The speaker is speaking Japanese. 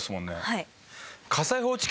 はい。